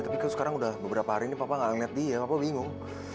tapi sekarang udah beberapa hari ini papa gak ngeliat dia papa bingung